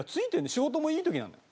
仕事もいい時なのよ。